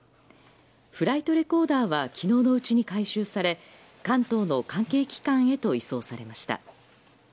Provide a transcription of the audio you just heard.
フライトレコーダーは昨日のうちに回収され関東の関係機関へと移送されました。